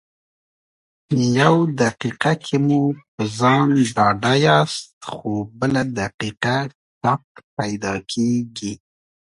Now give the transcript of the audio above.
يو دقيقه کې مو په ځان ډاډه ياست خو بله دقيقه شک پیدا کېږي.